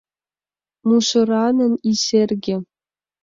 Мужыраҥын Изерге: